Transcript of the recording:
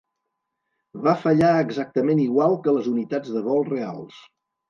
Va fallar exactament igual que les unitats de vol reals.